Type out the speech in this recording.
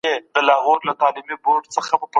يوه دقيقه شپېته ثانيې کیږي.